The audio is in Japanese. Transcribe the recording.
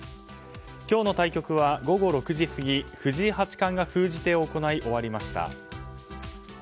今日の対局は午後６時過ぎ藤井八冠が封じ手を行い終わりました。